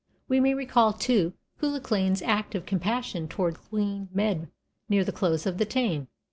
We may recall, too, Cuchulainn's act of compassion towards Queen Medb near the close of the Táin.